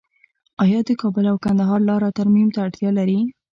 آیا د کابل او کندهار لاره ترمیم ته اړتیا لري؟